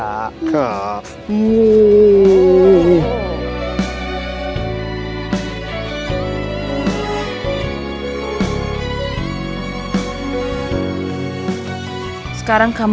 saya suka dia